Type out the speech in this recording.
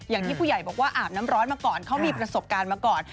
อย่างที่ผู้ใหญ่บอกว่าอาบน้ำร้อนมาก่อนเขามีประสบการณ์มาก่อน